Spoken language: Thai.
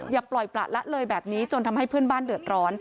อย่าปล่อยประละเลยแบบนี้จนทำให้เพื่อนบ้านเดือดร้อน